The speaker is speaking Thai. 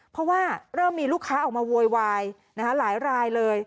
เพราะว่าเริ่มมีลูกค้าออกมาโวยวายหลายรายเลย